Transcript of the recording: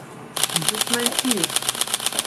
Dies ist mein Ziel.